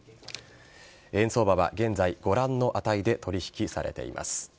円相場は現在ご覧の値で取引されています。